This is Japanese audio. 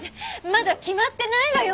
まだ決まってないわよ